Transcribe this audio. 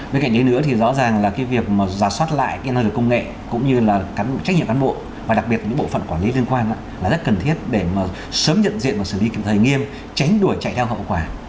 bên cạnh đấy nữa thì rõ ràng là cái việc mà giả soát lại cái nơi được công nghệ cũng như là trách nhiệm cán bộ và đặc biệt những bộ phận quản lý liên quan là rất cần thiết để mà sớm nhận diện và xử lý kiểm thầy nghiêm tránh đuổi chạy đau hậu quả